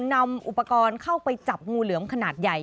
นำอุปกรณ์เข้าไปจับงูเหลือมขนาดใหญ่